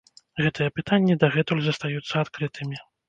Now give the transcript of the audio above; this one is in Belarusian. Гэтыя пытанні дагэтуль застаюцца адкрытымі.